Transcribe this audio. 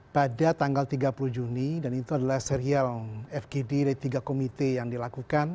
pada tanggal tiga puluh juni dan itu adalah serial fgd dari tiga komite yang dilakukan